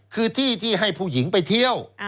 คือที่ที่ให้ผู้หญิงไปเที่ยว